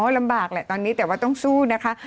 ลำบากแหละตอนนี้แต่ว่าต้องสู้นะคะ